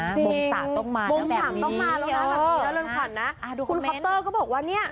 จริงบงสารต้องมานะแบบนี้จริงบงสารต้องมาแล้วนะค่ะคุณน่าเริ่มขวัญนะคุณคอปเตอร์ก็บอกว่า